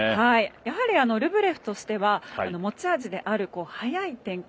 やはり、ルブレフとしては持ち味である早い展開